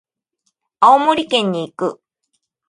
青森県に行く。